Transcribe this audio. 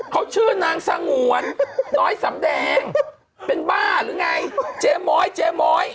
เขาชื่อนางสังหวนน้อยสัมแดงเป็นบ้าหรือไงเจมส์หมอนเจมส์หมอน